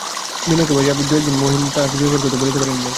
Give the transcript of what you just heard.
বিনয়কে বাড়িতে পাইয়াও দুই-এক দিন মহিম তাহাকে বিবাহের কথা বলিতে পারেন নাই।